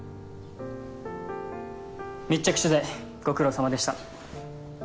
密着取材ご苦労さまでした。